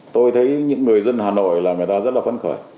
tôi thấy những người dân hà nội là người ta rất là phấn khởi